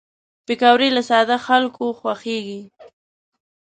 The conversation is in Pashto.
پکورې له ساده خلکو خوښېږي